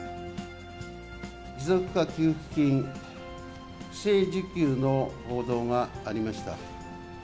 持続化給付金不正受給の報道がありました。